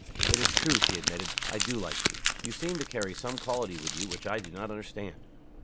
"It is true," she admitted. "I do like you. You seem to carry some quality with you which I do not understand.